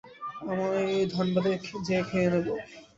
আমি ধানবাদে যেয়ে খেয়ে নেব!